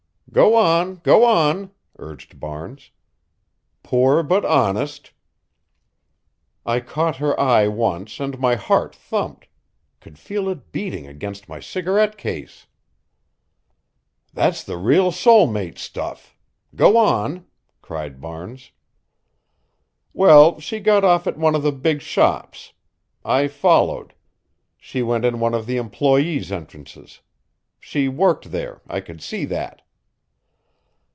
"Go on; go on," urged Barnes. "Poor but honest." "I caught her eye once and my heart thumped could feel it beating against my cigarette case." "That's the real soul mate stuff; go on!" cried Barnes. "Well, she got off at one of the big shops. I followed. She went in one of the employees' entrances. She worked there I could see that."